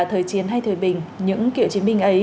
thời chiến hay thời bình những cựu chiến binh ấy